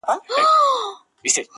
د انسان زړه آیینه زړه یې صیقل دی٫